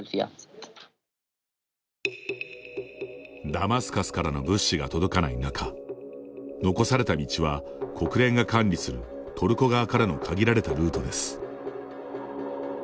ダマスカスからの物資が届かない中残された道は、国連が管理するトルコ側からの限られたルートです。